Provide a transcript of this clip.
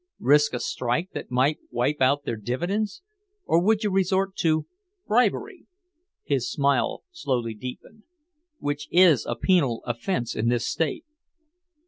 Risk a strike that might wipe out their dividends? Or would you resort to bribery" his smile slowly deepened "which is a penal offense in this State?"